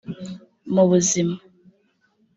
Mu buzima